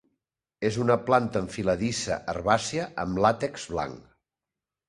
És una planta enfiladissa herbàcia amb làtex blanc.